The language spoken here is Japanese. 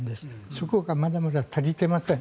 そこがまだまだ足りていません。